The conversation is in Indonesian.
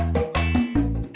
tuh apa tuh